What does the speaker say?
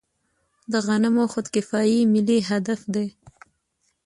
د غنمو خودکفايي ملي هدف دی.